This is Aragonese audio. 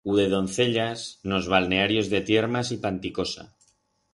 U de doncellas en os balnearios de Tiermas y Panticosa.